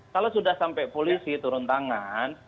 kalau sudah sampai polisi turun tangan